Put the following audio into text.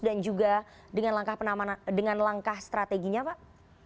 dan juga dengan langkah strateginya pak